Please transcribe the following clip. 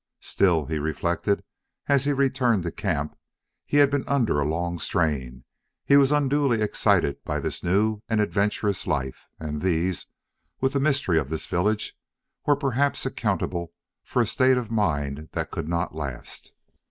Still, he reflected, as he returned to camp, he had been under a long strain, he was unduly excited by this new and adventurous life, and these, with the mystery of this village, were perhaps accountable for a state of mind that could not last.